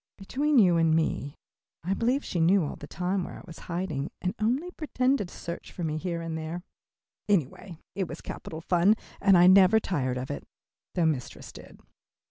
Between you and me I believe she knew all the time where I was hiding and only pretended to search for me here and there. Anyway it was capital fun, and I never tired of it, though mistress did.